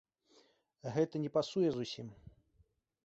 Гэта не пасуе зусім.